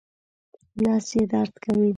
نس یې درد کوي